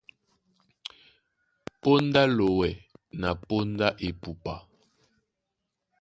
Póndá á lowɛ na póndá epupa.